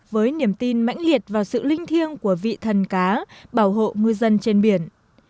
với niềm tin mãnh liệt và sự linh thiêng của vị thần cá bảo hộ ngư dân trên biển